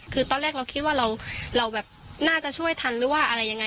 คือตอนแรกเราคิดว่าเราแบบน่าจะช่วยทันหรือว่าอะไรยังไง